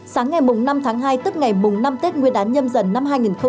sáng ngày năm tháng hai tức ngày năm tết nguyên đán nhâm dần năm hai nghìn hai mươi hai